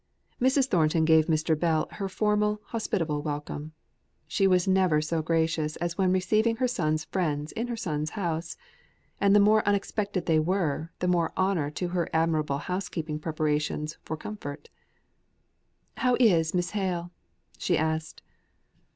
Mrs. Thornton gave Mr. Bell her formal, hospitable welcome. She was never so gracious as when receiving her son's friends in her son's house; and the more unexpected they were, the more honour to her admirable housekeeping preparations for comfort. "How is Miss Hale?" she asked.